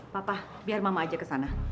bapak biar mama aja kesana